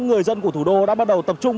người dân của thủ đô đã bắt đầu tập trung